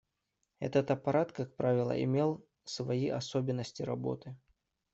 Этот аппарат, как правило, имел свои особенности работы.